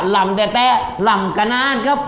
หล่ำแต๊ะหล่ำกะนานครับ